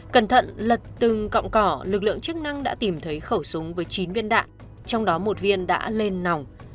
cẩn thận lật từng cọng cỏ lực lượng chức năng đã tìm thấy khẩu súng với chín viên đạn trong đó một viên đã lên nòng